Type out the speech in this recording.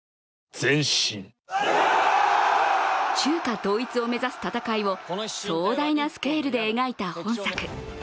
中華統一を目指す戦いを壮大なスケールで描いた本作。